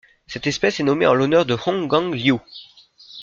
Cette espèce est nommée en l'honneur de Hong-guang Liu.